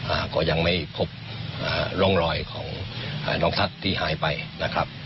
อ่าก็ยังไม่พบอ่าร่องรอยของอ่าน้องทัศน์ที่หายไปนะครับ